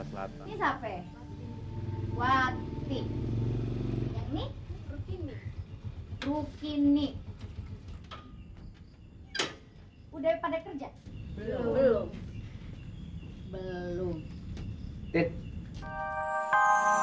ada surat pengantar dari rt rw lumra jalmar kanje kerja kerta selatang